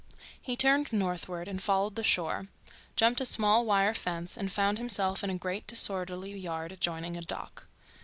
He turned northward and followed the shore, jumped a small wire fence and found himself in a great disorderly yard adjoining a dock.